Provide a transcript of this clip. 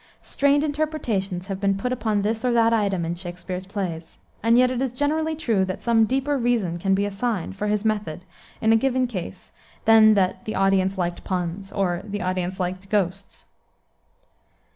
Strained interpretations have been put upon this or that item in Shakspere's plays; and yet it is generally true that some deeper reason can be assigned for his method in a given case than that "the audience liked puns," or, "the audience liked ghosts."